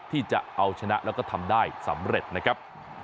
ที่จะเอาชนะแล้วก็ทำได้สำเร็จนะครับ